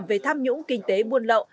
về tham nhũng kinh tế muôn lậu